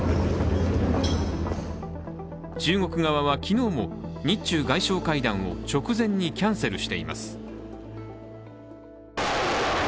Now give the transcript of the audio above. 中国側は昨日も、日中外相会談を直前にキャンセルしています。